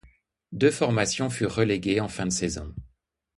Deux formations furent reléguées en fin de saison.